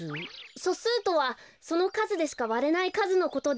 そすうとはそのかずでしかわれないかずのことで。